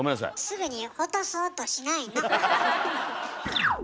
すぐに落とそうとしないの。